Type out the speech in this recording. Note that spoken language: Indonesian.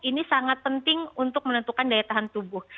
ini sangat penting untuk menentukan daya tahan tubuh